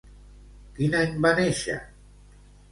Quin any va néixer?